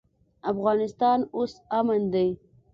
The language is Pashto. افغانستان اوس امن دی.